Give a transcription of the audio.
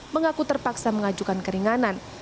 mengaku terpaksa mengajukan keringanan